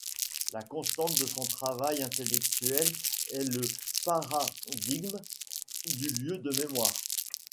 La constante de son travail intellectuel est le paradigme du lieu de mémoire.